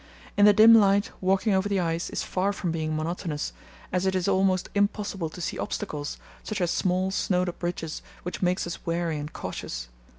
In the dim light walking over the ice is far from being monotonous, as it is almost impossible to see obstacles, such as small, snowed up ridges, which makes us wary and cautious.